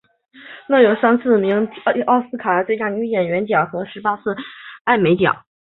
另外亦曾三次提名奥斯卡最佳女配角奖和十八次艾美奖。